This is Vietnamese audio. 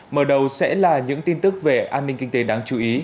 mở đầu sẽ là những tin tức về an ninh kinh tế đáng chú ý